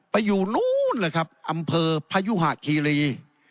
ไปอยู่นู้นเลยครับอำเภอพยุหะคีรี